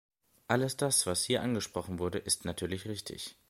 Alles das, was hier angesprochen wurde, ist natürlich richtig.